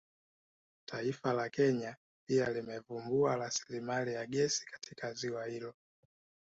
Taifa la Kenya pia limevumbua rasilimali ya gesi katika ziwa hilo